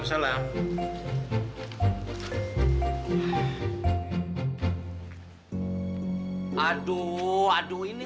aku selalu norwegian